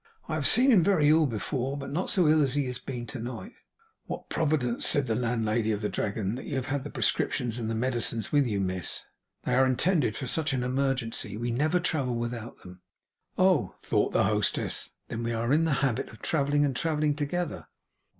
'I have seen him very ill before, but not so ill as he has been tonight.' 'What a Providence!' said the landlady of the Dragon, 'that you had the prescriptions and the medicines with you, miss!' 'They are intended for such an emergency. We never travel without them.' 'Oh!' thought the hostess, 'then we are in the habit of travelling, and of travelling together.